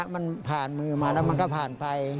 มันผ่านมือมาแล้วมันก็ผ่านไป